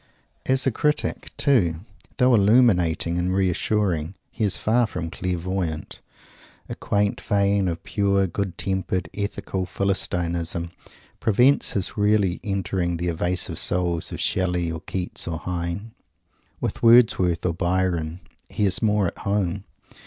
As a critic, too, though illuminating and reassuring, he is far from clairvoyant. A quaint vein of pure, good tempered, ethical Philistinism prevents his really entering the evasive souls of Shelley or Keats or Heine. With Wordsworth or Byron he is more at home.